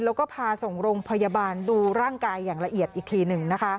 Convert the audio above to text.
แล้วก็พาส่งโรงพยาบาลดูร่างกายอย่างละเอียดอีกทีหนึ่งนะคะ